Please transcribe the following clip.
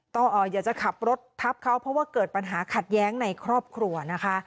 อยากจะขับรถทับเขาเพราะว่าเกิดปัญหาขัดแย้งในครอบครัวนะคะ